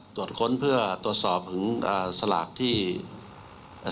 ตรวจค้นเพื่อรับโทรตสอบ